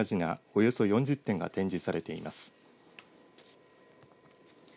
およそ４０点が展示されています。